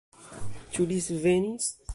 Ĉu li svenis?